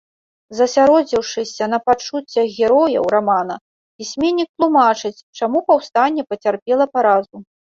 Засяродзіўшыся на пачуццях герояў рамана, пісьменнік тлумачыць, чаму паўстанне пацярпела паразу.